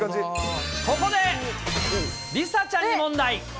ここで、梨紗ちゃんに問題。